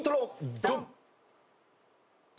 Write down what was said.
ドン！